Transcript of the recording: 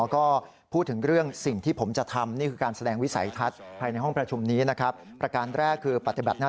ของพวกเราทุกคนครับ